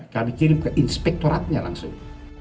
kami kirim ke inspektoratnya langsung